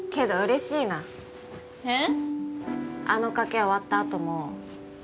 えっ？